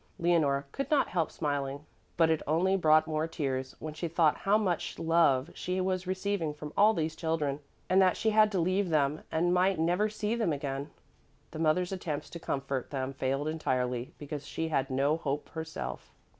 Leonore could not help smiling, but it only brought more tears when she thought how much love she was receiving from all these children, and that she had to leave them and might never see them again. The mother's attempts to comfort them failed entirely, because she had no hope herself.